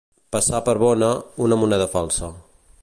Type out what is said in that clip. Passar per bona, una moneda falsa.